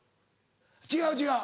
違う違う。